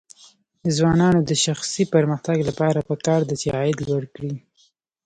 د ځوانانو د شخصي پرمختګ لپاره پکار ده چې عاید لوړ کړي.